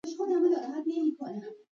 پیاله د روڼ سبا انتظار لري.